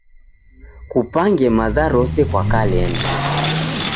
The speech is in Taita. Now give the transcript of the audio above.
Kupange maza rose kwa kalenda.